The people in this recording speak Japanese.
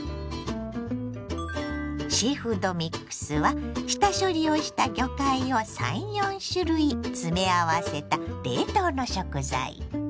シーフードミックスは下処理をした魚介を３４種類詰め合わせた冷凍の食材。